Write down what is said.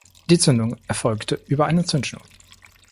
Die Zündung erfolgte über eine Zündschnur.